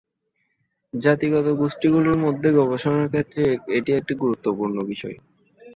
জাতিগত গোষ্ঠীগুলির মধ্যে গবেষণার ক্ষেত্রে এটি একটি গুরুত্বপূর্ণ বিষয়।